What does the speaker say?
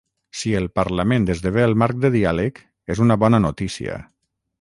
Si el parlament esdevé el marc de diàleg és una bona notícia.